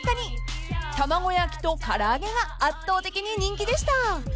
［卵焼きと唐揚げが圧倒的に人気でした］